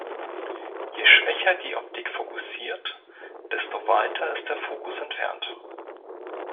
Je schwächer die Optik "fokussiert", desto weiter ist der Fokus entfernt.